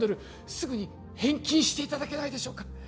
すぐに返金していただけないでしょうか？